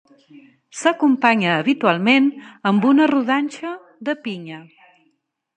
S'acompanya habitualment amb una rodanxa de pinya.